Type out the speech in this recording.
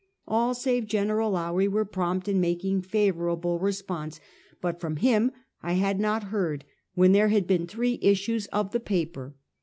All, save Gen. Lowrie, were prompt in making favorable response; but from him I had not heard, when there had been three issues of the paper.